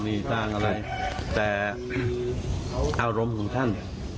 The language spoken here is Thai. นี่สร้างอะไรแต่อารมณ์ของท่าน